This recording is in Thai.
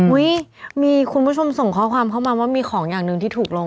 มีคุณผู้ชมส่งข้อความเข้ามาว่ามีของอย่างหนึ่งที่ถูกลง